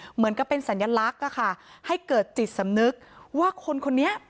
เหมือนกับเป็นสัญลักษณ์อะค่ะให้เกิดจิตสำนึกว่าคนคนนี้